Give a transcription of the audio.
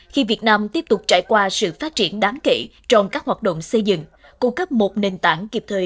khi việt nam tiếp tục trải qua sự phát triển đáng kể trong các hoạt động xây dựng cung cấp một nền tảng kịp thời